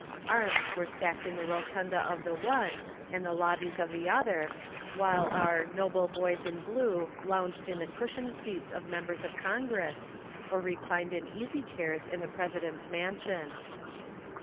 Arms were stacked in the rotunda of the one and the lobbies of the other, while our "noble boys in blue" lounged in the cushioned seats of members of Congress, or reclined in easy chairs in the President's Mansion.